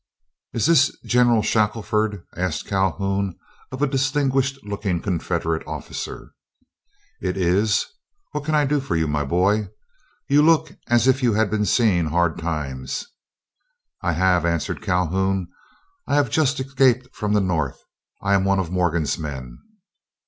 "Is this General Shackelford?" asked Calhoun of a distinguished looking Confederate officer. "It is; what can I do for you, my boy? You look as if you had been seeing hard times." "I have," answered Calhoun; "I have just escaped from the North. I am one of Morgan's men."